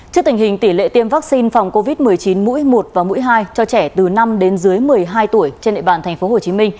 trước tình hình tỷ lệ tiêm vaccine phòng covid một mươi chín mũi một và mũi hai cho trẻ từ năm đến dưới một mươi hai tuổi trên địa bàn tp hcm